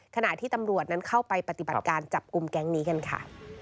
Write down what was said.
ขณะที่ตำรวจนั้นเข้าไปปฏิบัติการจับกลุ่มแก๊งนี้กันค่ะ